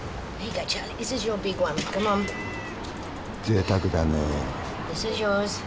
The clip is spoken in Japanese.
ぜいたくだね。